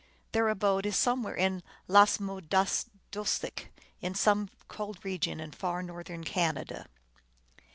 Their abode is somewhere in Ias mu das doosek, in some cold region in far Northern Canada.